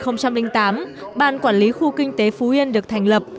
năm hai nghìn tám ban quản lý khu kinh tế phú yên được thành lập